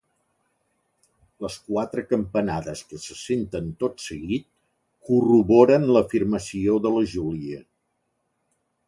Les quatre campanades que se senten tot seguit corroboren l'afirmació de la Júlia.